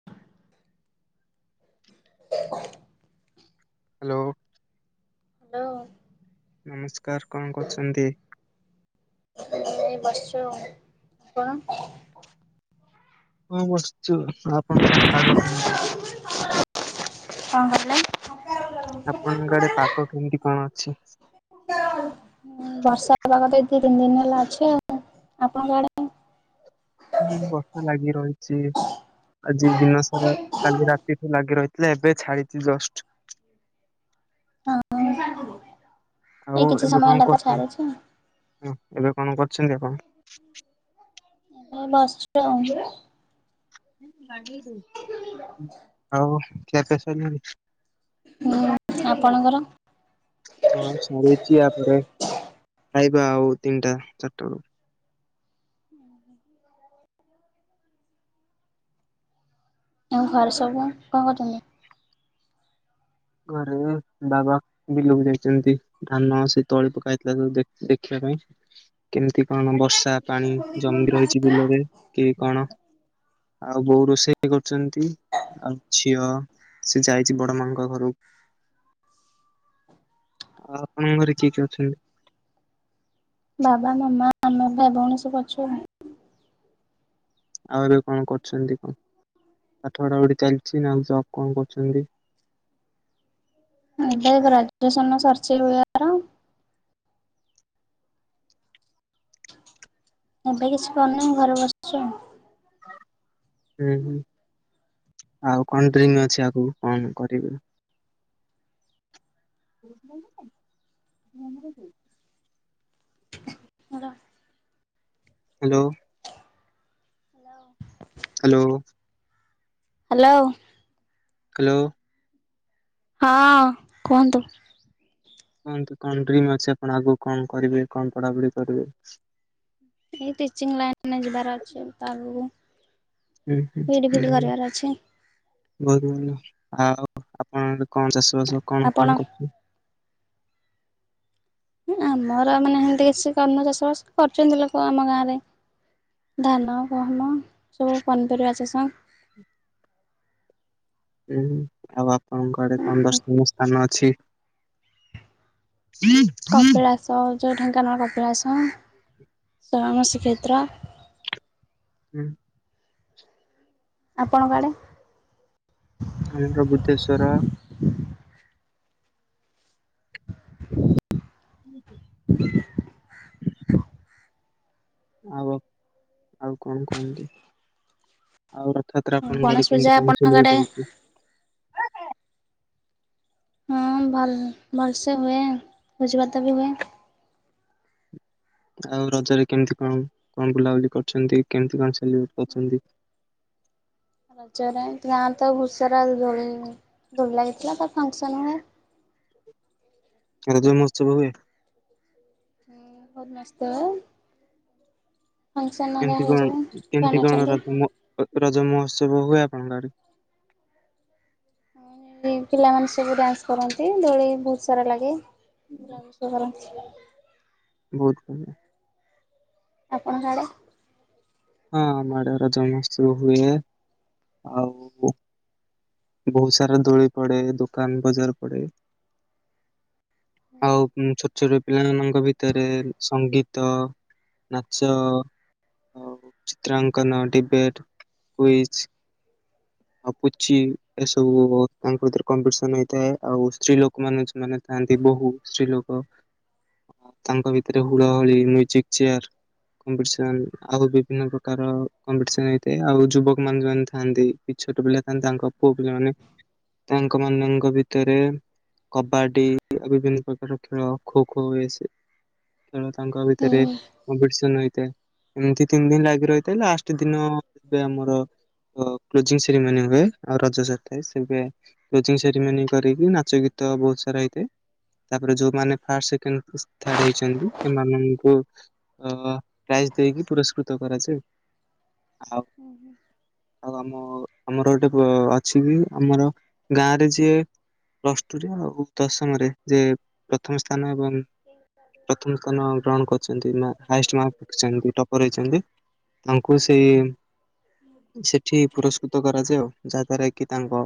[inaudible] Hello. Hello. ନମସ୍କାର କଣ କରୁଛନ୍ତି? [unintelligible] ଏଇ ବସିଛୁ ଆଉ। ଆପଣ? ହଁ ବସିଛୁ ଆପଣ କଣ କୁଥାନ୍ତି [unintelligible] [inaudible] କଣ କହିଲେ? ଆପଣଙ୍କ ଆଡେ ପାଗ କେମିତି କଣ ଅଛି? [inaudible] ବର୍ଷା ପାଗ ତ ଏ ଦି ତିନି ଦିନ ହେଲା ଅଛି ଆଉ ଆପଣଙ୍କ ଆଡେ? ହୁଁ ବର୍ଷା ଲାଗି ରହିଛି। ଆଜି ଦିନ ସାରା କାଲି ରାତିଠୁ ଲାଗି ରହିଥିଲା ଏବେ ଛାଡିଚି ଜଷ୍ଟ୍। ହଁ ଏଇ ଆଉ କିଛି ଏବେ ସମୟ କଁ ହେଲା ତ କରୁଚନ୍ତି? ଛାଡିଛି ଏବେ କଣ କରୁଛନ୍ତି ଆପଣ? ହଁ ବସିଛୁ ଆଉ [inaudible] ଆଉ ଖିଆ ପିଆ ସରିଲାଣି? ହୁଁ ଆପଣଙ୍କର? ହଁ ସରଚି ଆ ପରେ ଖାଇବା ଆଉ ତିନି ଟା ଚାରିଟା ବେଳୁ। [inaudible] ଆଉ ଘରେ ସବୁ କଁ କରୁଚନ୍ତି? ଘରେ ବାବା ବିଲ କୁ ଯାଇଚନ୍ତି ଧାନ ସେ ତଳି ପକା ହେଇଥିଲା ଯୋଉ ଦେ ଦେଖିବା ପାଇଁ। କେମିତି୍ କଣ ବର୍ଷା ପାଣି ଜମି କି ରହିଚି ବିଲରେ କି କଣ। ଆଉ ବୋଉ ରୋଷେଇ କରୁଚନ୍ତି। ଆଉ ଝିଅ ସେ ଯାଇଚି ବଡ ମା ଙ୍କ ଘରୁ ଆପଣଙ୍କ ଘରେ କିଏ କିଏ ଅଛନ୍ତି? ବାବା ମାମା ଆମେ ଭାଇ ଭଉଣୀ ସବୁ ଅଛୁ। ଆଉ ଏବେ କଣ କରୁଚନ୍ତି କ ପାଠ ପଢା ପଢି ଚାଲିଚି ନା ଜବ୍ କଣ କରୁଚନ୍ତି? ଏବେ ଗ୍ରାଜୁଏସନ୍ ସରିଚି [inaudible] ଏବେ କିଛି କରନି ଘରେ ବସିଚି। ହୁଁ ହୁଁ। [inaudible] ଆଉ କଣ ଡ୍ରିମ୍ ଅଛି ଆଗକୁ କଣ କରିବେ? [unintelligible] ହ୍ୟାଲୋ। ହାଲୋ। ହାଲୋ। ହାଲୋ। ହଁ କୁହନ୍ତୁ। କୁହନ୍ତୁ କଣ ଡ୍ରିମ୍ ଅଛି ଆପଣ ଆଗକୁ କଣ କରିବେ କଣ ପଢାପଢି କରିବେ। ଏଇ ଟିଚିଂଙ୍ଗି ଲାଇନ୍ ରେ ଯିବାର ଅଛି ଆଗକୁ। ବିଡି ଫିଡ଼ି କରିବାର ଅଛି। ବହୁତ୍ ଭଲ ଆଉ ଆପଣ ଆଡ଼େ କଣ ଚାଷ ବାସ କଣ ଆପଣ? କଣ କରୁଚ? ଆମର ମାନେ ହେନ୍ତି କିଛି କରିନୁ ଚାଷବାସ କରିଚନ୍ତି ଲୋକ ଆମ ଗାଁ ରେ। ଧାନ ଗହମ ସବୁ ପନିପରିବା ଚାଷ। ହୁଁ ଆଉ ଆପଣଙ୍କ ଆଡେ କଣ ଦର୍ଶନିୟ ସ୍ଥାନ ଅଛି? [unintelligible] କପିଳାସ ଯୋଉ ଢେଙ୍କାନାଳ କପିଳାସ ଶରଣ ଶ୍ରୀକ୍ଷେତ୍ର। ହୁଁ। ଆପଣଙ୍କ ଆଡେ? ଆମର ବୁଦ୍ଧେଶ୍ଵର [unintelligible] ଆଉ ଆଉ କଣ କୁହନ୍ତୁ ଆଉ ସତରେ ଆପଣଙ୍କ ଗଣେଶ ଆଡେ ପୂଜା କେମିତି କଣ ଆପଣଙ୍କ ସବୁ ଆଡେ ଲଗେଇଚି? ହଁ ଭଲ୍ ଭଲ୍ସେ ହୁଏ ଭୋଜି ଭାତ ବି ହୁଏ। ଆଉ ରଜରେ କେମିତି କଣ କଣ ବୁଲାବୁଲି କରିଛନ୍ତି? କେମିତି କଣ ସେଲିବ୍ରେଟ୍ କରିଚନ୍ତି? ରଜରେ ଗାଁ ତ ଘୁସରା ଦୋଳି ଦୋଳି ଲାଗିଥିଲା ତ ଫଙ୍କସନ ହୁଏ। ରଜ ମହୋତ୍ସବ ହୁଏ? ବହୁତ ମସ୍ତ। ଫଙ୍କସନ ହେରିକା କେମତି ହୁଏ କଣ ସବୁ ଛୁଆ କେମତି କଣ ନାଚନ୍ତି। ରଜ ମ ରଜ ମହୋତ୍ସବ ହୁଏ ଆପଣଙ୍କ ଆଡେ? ପିଲାମାନେ ସବୁ ଡ୍ୟାନ୍ସ କରନ୍ତି ଦୋଳି ବହୁତ ସାରା ଲାଗେ ବହୁତ ଆପଣଙ୍କ ଆଡ଼େ। ହଁ ଆମ ଆଡ଼େ ରଜ ମହୋତ୍ସବ ହୁଏ। ଆଉ ବହୁତ ସାରା ଦୋଳି ପଡେ ଦୋକାନ ବଜାର ପଡେ। ଆଉ ଛୋଟ ଛୋଟ ପିଲାମାନଙ୍କ ଭିତରେ ସଙ୍ଗୀତ ନାଚ ଅ ଚିତ୍ରାଙ୍କନ ଡିବେଟ୍ କୁଇଜ୍ ଆଉ ପୁଚି ଏସବୁ ତାଙ୍କ ଭିତରେ କମ୍ପିଟିସନ ହେଇଥାଏ ଆଉ ସ୍ତ୍ରୀ ଲୋକ ମାନ ସେମାନେ ଥାଆନ୍ତି ବୋହୁ ସ୍ତ୍ରୀ ଲୋକ ତାଙ୍କ ଭିତରେ ହୁଳ ହୁଳି ମିଉଜିକ୍ ଚେୟର କମ୍ପିଟିସନ ଆଉ ବିଭିନ୍ନ ପ୍ରକାର କମ୍ପିଟିସନ ହେଇଥାଏ ଆଉ ଯୁବକ ମାନେ ଯୋଉମାନେ ଥାନ୍ତି କି ଛୋଟ ପିଲା ଥାନ୍ତି ତାଙ୍କ ପୁଅ ପିଲା ମାନେ ତାଙ୍କ ମାନଙ୍କ ଭିତରେ କବାଡି ବିଭିନ୍ନ ପ୍ରକାର ଖେଳ ଖୋ ଖୋ ଇଏ ସିଏ ଖେଳ ତାଙ୍କ ହୁଁ ଭିତରେ କମ୍ପିଟିସନ ହେଇଥାଏ ଏମତି ତିନି ଦିନ ଲାଗି ରହିଥାଏ, ଲାଷ୍ଟ ଦିନ ଏବେ ଆମର କ୍ଲୋଜିଂ ସେରିମନି ହୁଏ ଆଉ ରଜ ଥାଏ ସେ ହୁଏ। କୋଜିଙ୍ଗୀ ସେରିମନି କରିକି ନାଚ ଗୀତ ବହୁତ ସାରା ହେଇଥାଏ। ତାପରେ ଯୋଉମାନେ ଫାଷ୍ଟ ସେକେଣ୍ଡ ଥାଡେ ହେଇଛନ୍ତି ସେମାନଙ୍କୁ ଅ ପ୍ରାଇଜ ଦେଇକି ପୁରସ୍କୃତ କରାଯାଏ ଆ ହୁଁ ହୁଁ ଆଉ ଆମ ଆମର ଗୋଟେ ଅଛି କି ଆମର ଗାଁ ରେ ଯିଏ ପ୍ଲସ ଟୁରେ ଆଉ ଦଶମରେ ଯେ ପ୍ରଥମ ସ୍ଥାନ ଏବଂ ପ୍ରଥମ ସ୍ଥାନ ଗ୍ରହଣ କରିଛନ୍ତି, ନା ହାଏଷ୍ଟ ମାର୍କ ରଖିଛନ୍ତି ଟପର ହେଇଛନ୍ତି। ତାଙ୍କୁ ସେଇ ସେଠି ପୁରସ୍କୃତ କରାଯାଏ। ଯାହା ଦ୍ଵାରା କି ତାଙ୍କ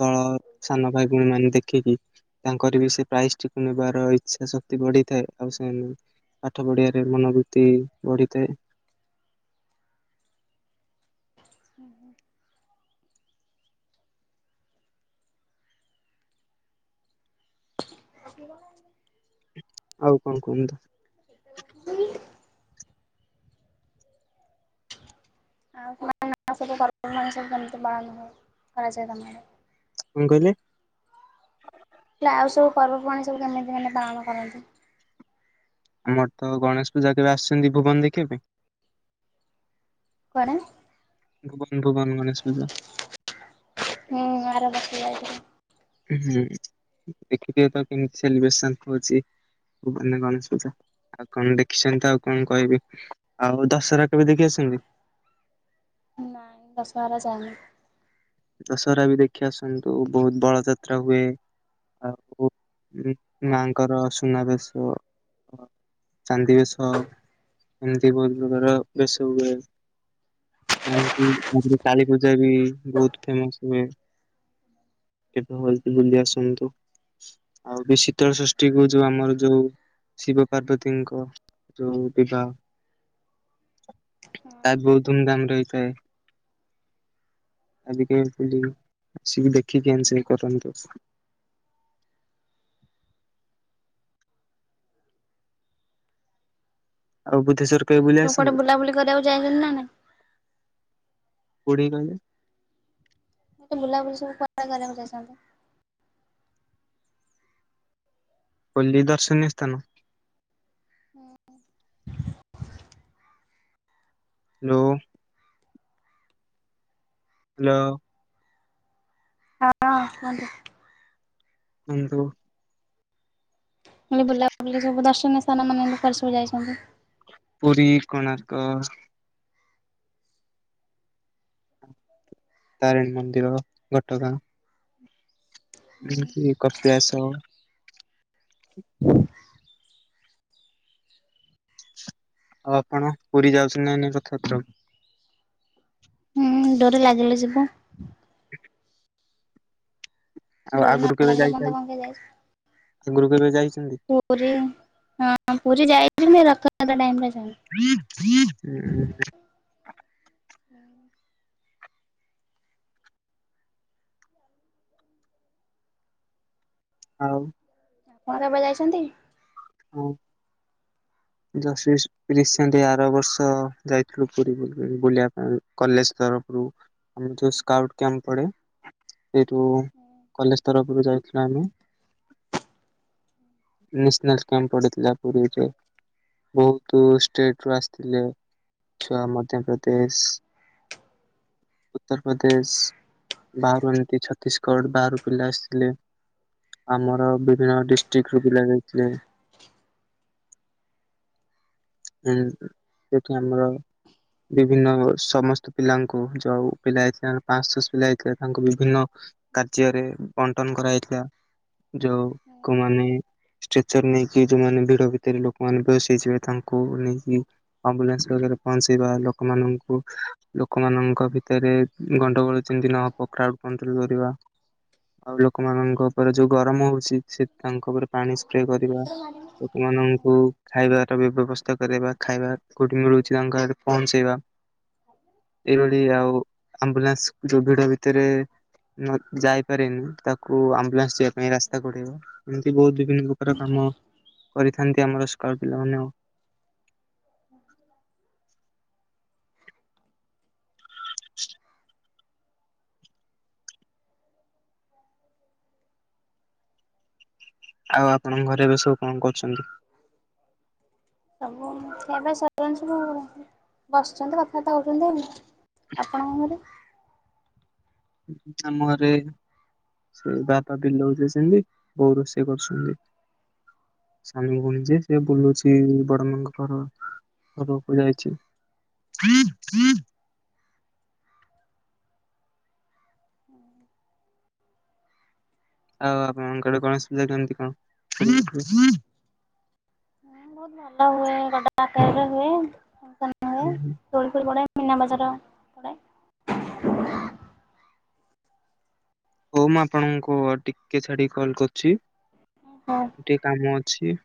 ତଳ ସାନ ଭାଇ ଭଉଣୀ ମାନେ ଦେଖିକି ତାଙ୍କର ବି ସେ ପ୍ରାଇଜ ଟିକୁ ନେବାର ଇଚ୍ଛା ଶକ୍ତି ବଢିଥାଏ। ଆଉ ସେ ପାଠ ପଢ଼ିଵା ରେ ମନୋବୃତ୍ତି ବଢ଼ିଥାଏ। ଉଁ ହୁଁ। [inaudible] ଆଉ କଣ କୁହନ୍ତୁ। [inaudible] ଆ ସ ସବୁ କେମିତି କରାଯାଏ ତମର [unintelligible] କଣ କହିଲେ? ହେଲେ ଆଉ ସବୁ ପର୍ବପର୍ବାଣୀ ସବୁ କେମିତି ମାନେ ପାଳନ କରନ୍ତି? ଆମର ତ ଗଣେଶ ପୂଜା କେବେ ଆସିଚନ୍ତି ଭୁବନ ଦେଖିବା ପାଇଁ? କୁଆଡ଼େ ଭୁବନ ଭୁବନ ଗଣେଶ ପୂଜା। ହୁଁ ଆର ବର୍ଷ ଯାଇଥିଲି। ହୁଁ ଉଁ। ଦେଖଥିବେ ତ କେମିତି ସେଲିବ୍ରେସନ ହଉଚି ଭୁବନ ଗଣେଶ ପୂଜା। ଆଉ କଣ ଦେଖିଚନ୍ତି ଆଉ କଣ କହିବି ଆଉ ଦଶହରା କେବେ ଦେଖି ଆସିଛନ୍ତି? ନାଁ ଦଶହରା ଯାଇନି। ଦଶହରା ବି ଦେଖି ଆସନ୍ତୁ, ବହୁତ୍ ବଳ ଯାତ୍ରା ହୁଏ। ଆଉ ଉମ୍ ମାଙ୍କର ସୁନାବେଶ ଚାନ୍ଦି ବେଶ ଏମତି ବହୁତ୍ ପ୍ରକାର ବେଶ ହୁଏ। [unintelligible] ହୁଁ। କାଳୀ ପୂଜା ବି ବହୁତ୍ ଫୁଁ ସିଏ କେବେ ଏମତି ବୁଲି ଆସନ୍ତୁ ଆଉ ବେଶୀ ଶୀତଳ ଷଷ୍ଠୀ କୁ ଯୋଉ ଆମର ଯୋଉ ଶିବ ପାର୍ବତୀଙ୍କ ଯୋଉ ବିବାହ ଆ ବହୁତ୍ ଧୁମଧାମରେ ହେଇଥାଏ। ଆଜିକାଲି ବୁଲି ଆସିକି ଦେଖିକି [unintelligible] ଆଉ ବୁଦ୍ଧେଶ୍ୱର କେବେ ଆଉ ବୁଲି କଣ କୁଆଡେ ଆସନ୍ତି? ବୁଲାବୁଲି କରିବାକୁ ଜାଇଁଚନ୍ତି ନା ନାଇଁ? କୋଉଠିକି କହିଲେ? ମୋତେ ବୁଲାବୁଲି ସୁ [unintelligible] କରିବାକୁ ଯାଇଚନ୍ତି? କହିଲି ଦର୍ଶନୀୟ ସ୍ଥାନ। ହୁଁ ହୁଁ। ଲୋ ହ୍ୟାଲୋ। ହଁ ଅଁ କୁହନ୍ତୁ। କୁନ୍ତୁ [unintelligible] ବୁଲା ବୁଲି ସବୁ ଦର୍ଶନୀୟ ସ୍ଥାନ ମାନ କୁଆଡେ ସବୁ ଯାଇଛନ୍ତି? ପୁରୀ, କୋଣାର୍କ। ତାରିଣୀ ମନ୍ଦିର ଘଟଗାଁ। ଏମତି କପିଳାସ। ହୁଁ ଆଉ ଆପଣ ପୁରୀ ଯାଉଛନ୍ତି ନାଇଁ ରଥଯାତ୍ରା କୁ? ହୁଁ ଡରି ଲାଗିଲେ ଯିବୁ। ଆଉ ଡୋରି ନ ଆଗୁରୁ କେବେ ଲାଗିଲେ ବନ୍ଦ ଯାଇତାଇ କଣ ପାଇଁ ଯାଇଛୁ ଆଗୁରୁ କେବେ ଯାଇଛନ୍ତି? ପୁରୀ ହଁ ପୁରୀ ଯାଇଛି କିନ୍ତୁ ଏ ରଥଯାତ୍ରା ଟାଇମ୍ ରେ ଯାଇନି। ଉଁ ଉଁ ହୁ। ଆଉ ଆପଣ କେବେ ଯାଇଛନ୍ତି? ହୁଁ। ଏମ୍ ମିସ୍ ରିସେଣ୍ଟେ ଆର ବର୍ଷ ଯାଇଥିଲୁ ପୁରୀ ବୁଲି ବୁଲିବା ପାଇଁ କଲେଜ ତରଫରୁ ଆମର ଯୋଉ ସ୍କାଉଟ କ୍ୟାମ୍ପ୍ ପଡେ ସେଇଠୁ କଲେଜ ତରଫରୁ ଯାଇଥିଲୁ ଆମେ। ନେସନାଲସ୍ କ୍ୟାମ୍ପ୍ ପଡ଼ିିଥିଲା ପୁରୀ ବିଚ୍ ରେ। ବହୁତୁ ଷ୍ଟେଟ୍ ରୁ ଆସିଥିଲେ। ଛୁଆ ମଧ୍ୟପ୍ରଦେଶ, ଉତ୍ତରପ୍ରଦେଶ ବାହାରୁ ଏମତି ଛତିଶଗଡ଼ ବାହାରୁ ପିଲା ଆସିଥିଲେ। ଆମର ବିଭିନ୍ନ ଡିଷ୍ଟ୍ରିକ୍ଟ୍ ରୁ ପିଲା ଯାଇଥିଲେ। ହୁଁ ଏଠି ଆମର ବିଭିନ୍ନ ସମସ୍ତ ପିଲାଙ୍କୁ ଯୋଉ ପିଲା [unintelligible] ପାଁଶ୍ ଛଶ୍ ପିଲା ହେଇଥିଲେ ତାଙ୍କୁ ବିଭିନ୍ନ କାର୍ଯ୍ୟରେ ବଣ୍ଟନ କରାଯାଇଥିଲା ଯୋଉ କମାନେ ଷ୍ଟ୍ରେଚର୍ ନେଇକି ଯୋଉମାନେ ଭିଡ ଭିତରେ ଲୋକମାନେ ବେହୋସ୍ ହେଇଯିବେ ତା କୁ ନେଇକି ଆମ୍ବୁଲାନ୍ସରେ ପହଞ୍ଚେଇବା ଲୋକମାନଙ୍କୁ ଲୋକମାନଙ୍କ ଭିତେରେ ଗଣ୍ଡଗୋଳ ଯେମିତି ନହବ କ୍ରାଉ କଣ୍ଟ୍ରୋଲ କରିବା ଆଉ ଲୋକମାନଙ୍କ ଉପରେ ଯୋଉ ଗରମ ହୋଉଛି ତାଙ୍କ ଉପରେ ପାଣି ସ୍ପ୍ରେ କରିବା ଲୋକମାନଙ୍କୁ ଖାଇବାର ବ୍ୟବସ୍ ତା କରିବା ଖାଇବା କୋଉଠି ମିଳୁଛି ତାଙ୍କ ଘରେ ପହଞ୍ଚେଇବା ଏଇଭଳି ଆଉ ଆମ୍ବୁଲାନ୍ସ ଯୋଉ ଭିଡ ଭିତେରେ ମତ୍ ଯାଇପାରେନି ତାକୁ ଆମ୍ବୁଲାନ୍ସ ଯିବା ପାଇଁ ରାସ୍ତା କଡେଇବା ଏମିତି ବୋହୁତ ବି ର କାମ କରିଥାନ୍ତି ଆମର ସ୍କ୍ୱାଡ ପିଲାମାନେ ଆଉ [inaudible] [unintelligible] ଆଉ ଆପଣଙ୍କ ଘରେ ଏବେ ସବୁ ଙ୍କ କରୁଛନ୍ତି ସବୁ ଏବେ ସ ସବୁ ବସିଛନ୍ତି କଥାବାର୍ତ୍ତା ହୋଉଛନ୍ତି ଆଉ ଆପଣଙ୍କ ଘରେ ଆମ ଘରେ ସେ ବାପା ବିଲଉ ଯାଇଛନ୍ତି ବୋଉ ରୋଷେଇ କରୁଛନ୍ତି ସାନ ଭୋଉଣୀ ଯେ ସେ ବୁଲୁଛି ବଡ ମା ଙ୍କ ଘର ଘରୁକୁ ଯାଇଛି [inaudible] ଆଉ ଆପଣଙ୍କ ଟେ ଗଣେଶ ପୂଜା କେମିତି କଣ ଭୋଉତ ଭଲ ହୁଏ ବଡ ଆକାରରେ ହୁଏ ହୁଁ ହୁଁ ତୋଳିପୁର ଗଡ ମୀନା ବଜାର ପଡ଼େ ହୋଉ ମୁଁ ଆପଣଙ୍କୁ ଟିକେ ଛାଡିକି କଲ୍ କରୁଛି ହୋଉ ଗଟେ କାମ ଅଛି